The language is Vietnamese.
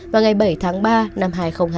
vào ngày bảy tháng ba năm hai nghìn hai mươi